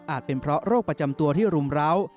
เป็นเพราะโรคประจำตัวที่รุมร้าว